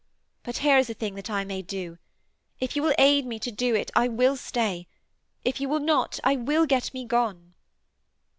But here is a thing that I may do. If you will aid me to do it I will stay. If you will not I will get me gone.'